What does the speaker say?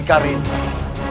bakal menangkan aku